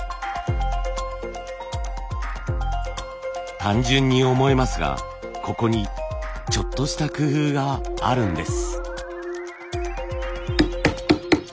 単純に思えますがここにちょっとした工夫があるんです。